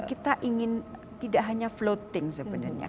kita ingin tidak hanya floating sebenarnya